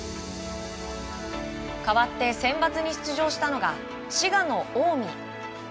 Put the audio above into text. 代わってセンバツに出場したのが滋賀の近江。